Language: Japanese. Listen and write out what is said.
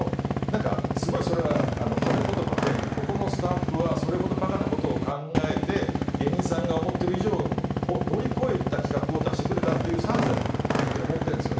なんかすごいそれは褒め言葉でここのスタッフはそれほどバカな事を考えて芸人さんが思ってる以上を乗り越えた企画を出してくれたっていう賛辞だと勝手に思ってるんですよね。